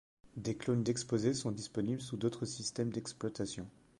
Des clones d'Exposé sont disponibles sous d'autres systèmes d'exploitation.